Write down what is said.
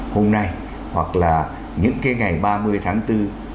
hôm nay hoặc là những cái ngày ba mươi tháng bốn